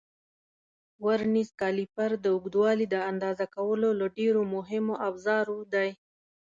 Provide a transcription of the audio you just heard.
ورنیز کالیپر د اوږدوالي د اندازه کولو له ډېرو مهمو افزارو دی.